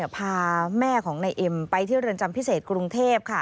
พาแม่ของนายเอ็มไปที่เรือนจำพิเศษกรุงเทพค่ะ